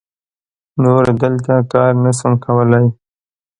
نور دلته کار نه سم کولای.